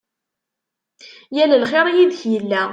Yal lxir yid-k yella.